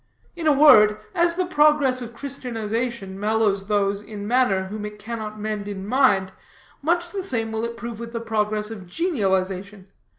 In a word, as the progress of Christianization mellows those in manner whom it cannot mend in mind, much the same will it prove with the progress of genialization.